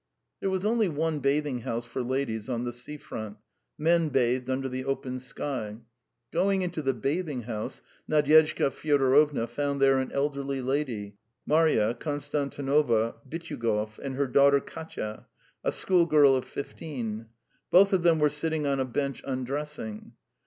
There was only one bathing house for ladies on the sea front; men bathed under the open sky. Going into the bathing house, Nadyezhda Fyodorovna found there an elderly lady, Marya Konstantinovna Bityugov, and her daughter Katya, a schoolgirl of fifteen; both of them were sitting on a bench undressing.